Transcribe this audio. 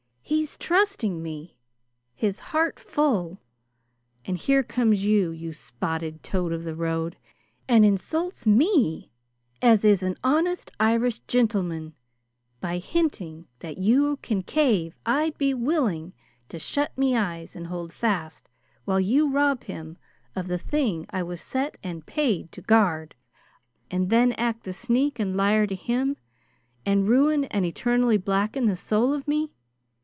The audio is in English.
He's trusting me his heartful, and here comes you, you spotted toad of the big road, and insults me, as is an honest Irish gintleman, by hinting that you concaive I'd be willing to shut me eyes and hold fast while you rob him of the thing I was set and paid to guard, and then act the sneak and liar to him, and ruin and eternally blacken the soul of me.